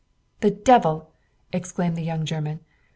"The devil!" exclaimed the young German.